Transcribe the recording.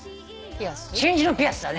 『真珠のピアス』だね。